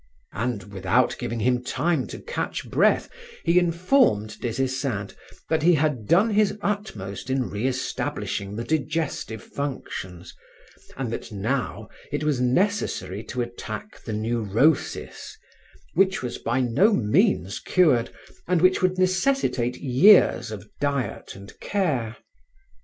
And, without giving him time to catch breath, he informed Des Esseintes that he had done his utmost in re establishing the digestive functions and that now it was necessary to attack the neurosis which was by no means cured and which would necessitate years of diet and care.